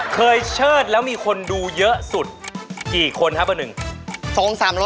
เคยเชิดแล้วมีคนดูเยอะสุดกี่คนครับเบอร์๑